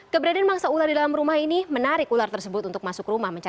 keberadaan mangsa ular di dalam rumah ini menarik ular tersebut untuk masuk rumah